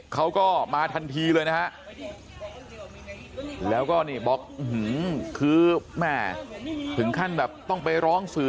เขาก็มาทันทีเลยนะฮะแล้วก็นี่บอกคือแม่ถึงขั้นแบบต้องไปร้องสื่อ